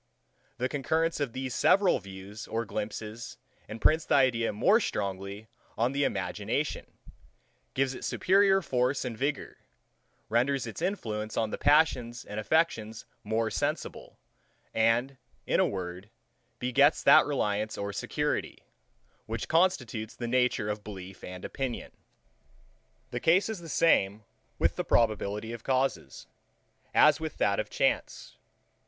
The concurrence of these several views or glimpses imprints the idea more strongly on the imagination; gives it superior force and vigour; renders its influence on the passions and affections more sensible; and in a word, begets that reliance or security, which constitutes the nature of belief and opinion. 47. The case is the same with the probability of causes, as with that of chance.